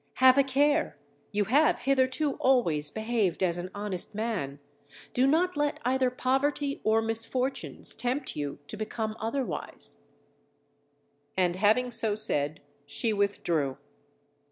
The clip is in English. Have a care, you have hitherto always behaved as an honest man; do not let either poverty or misfortunes tempt you to become otherwise;_ and having so said, she withdrew.